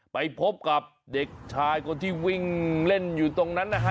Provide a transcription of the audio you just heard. ไปพบกับเด็กชายคนที่วิ่งเล่นอยู่ตรงนั้นนะฮะ